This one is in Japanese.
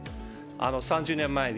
３０年前に。